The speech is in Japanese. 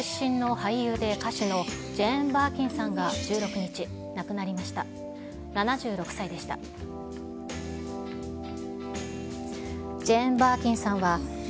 イギリス出身の俳優で歌手のジェーン・バーキンさんが１６日、亡くなりました。